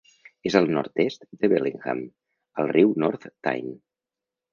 És al nord-est de Bellingham, al riu North Tyne.